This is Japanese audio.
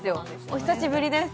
お久しぶりです